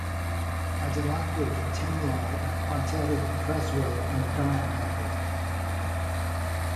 Adeiladwyd temlau a chwarteri preswyl yn y gaer hefyd.